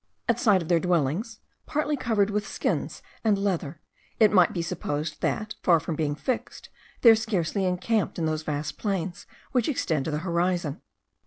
At sight of their dwellings, partly covered with skins and leather, it might be supposed that, far from being fixed, they are scarcely encamped in those vast plains which extend to the horizon.